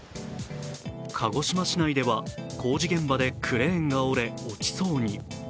鹿児島市内では工事現場でクレーンが折れ落ちそうに。